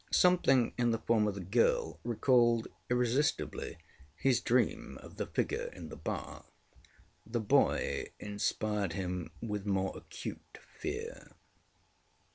Something in the form of the girl recalled irresistibly his dream of the figure in the bath. The boy inspired him with more acute fear.